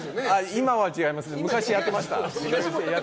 今は違いますけど昔やってました。